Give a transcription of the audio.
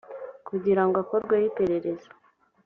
kugira ngo akorweho iperereza